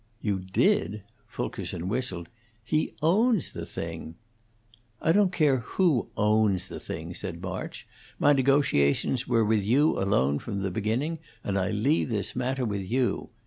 "You did?" Fulkerson whistled. "He owns the thing!" "I don't care who owns the thing," said March. "My negotiations were with you alone from the beginning, and I leave this matter with you.